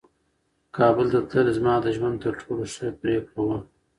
کابل ته تلل زما د ژوند تر ټولو ښه پرېکړه وه.